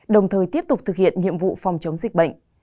đồng thời tiếp tục thực hiện nhiệm vụ phòng chống dịch bệnh